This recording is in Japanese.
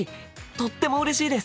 とってもうれしいです！